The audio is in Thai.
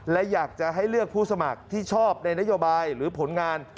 และอยากจะให้เลือกผู้สมัครที่ชอบในนโยบายหรือผลงาน